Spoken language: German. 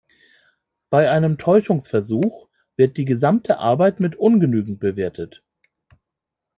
Bei einem Täuschungsversuch wird die gesamte Arbeit mit ungenügend bewertet.